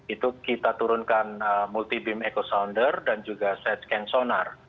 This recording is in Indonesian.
itu kita turunkan multi beam echo sounder dan juga set can sonar